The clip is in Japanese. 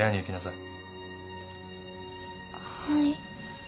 はい。